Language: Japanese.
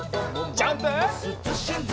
ジャンプ！